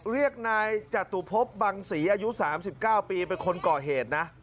เรียกนายจตุพบบังศรีอายุ๓๙ปีเป็นคนก่อเหตุนะ